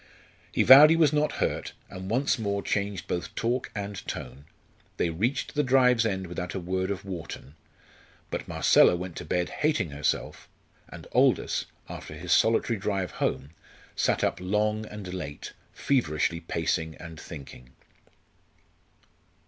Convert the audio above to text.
He vowed he was not hurt, and once more changed both talk and tone. They reached the drive's end without a word of Wharton. But Marcella went to bed hating herself, and Aldous, after his solitary drive home, sat up long and late, feverishly pacing and thinking.